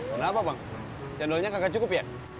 kenapa bang cendolnya kagak cukup ya